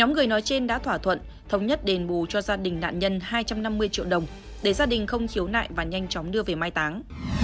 tám người nói trên đã thỏa thuận thống nhất đền bù cho gia đình nạn nhân hai trăm năm mươi triệu đồng để gia đình không khiếu nại và nhanh chóng đưa về mai táng